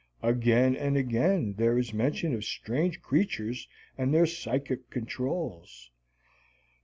Again and again there is mention of strange creatures and their psychic "controls": No.